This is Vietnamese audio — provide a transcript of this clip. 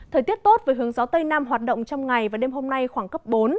thời tiết tốt với hướng gió tây nam hoạt động trong ngày và đêm hôm nay khoảng cấp bốn